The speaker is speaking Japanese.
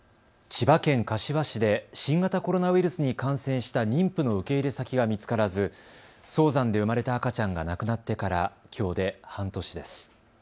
千葉県柏市で新型コロナウイルスに感染した妊婦の受け入れ先が見つからず早産で生まれた赤ちゃんが亡くなってからきょうで半年です。